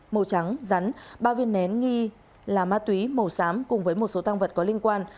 màu trắng rắn ba viên nén nghi là ma túy màu xám cùng với một số tăng vật có liên quan